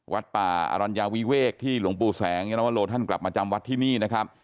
วัดป่าอรัญญาวิเวกที่หลวงปู่แสงยนวโลท่านกลับมาจำวัดที่นี่นะครับ